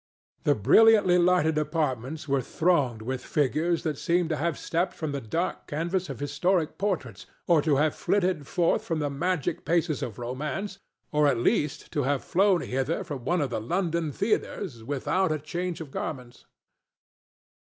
The brilliantly lighted apartments were thronged with figures that seemed to have stepped from the dark canvas of historic portraits or to have flitted forth from the magic pages of romance, or at least to have flown hither from one of the London theatres without a change of garments.